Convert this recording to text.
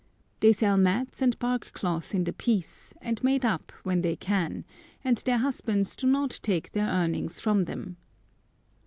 They sell mats and bark cloth in the piece, and made up, when they can, and their husbands do not take their earnings from them.